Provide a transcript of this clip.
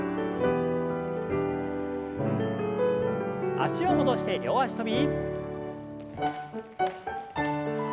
脚を戻して両脚跳び。